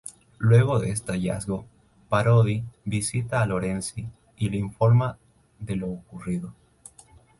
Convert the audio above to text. Luego de este hallazgo, Parodi visita a Lorenzi y le informa de lo ocurrido.